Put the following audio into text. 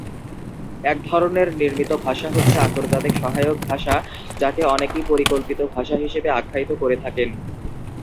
এক ধরনের নির্মিত ভাষা হচ্ছে আন্তর্জাতিক সহায়ক ভাষা যাকে অনেকেই পরিকল্পিত ভাষা হিসেবে আখ্যায়িত করে থাকেন।